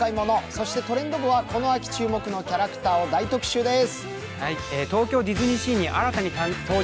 そして「トレンド部」はこの秋注目のキャラクターを大注目です。